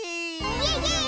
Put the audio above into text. イエイイエーイ！